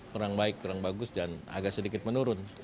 kurang baik kurang bagus dan agak sedikit menurun